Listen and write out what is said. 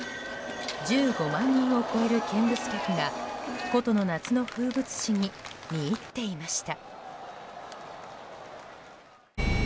１５万人を超える見物客が古都の夏の風物詩に見入っていました。